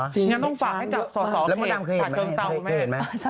จริงหรอ